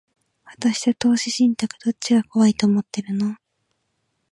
私と投資信託、どっちが怖いと思ってるの？